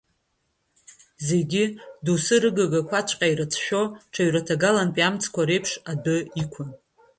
Зегьы, дасу рыгагақәаҵәҟьа ирыцәшәо ҽаҩраҭагалантәи амҵқәа реиԥш, адәы иқәын.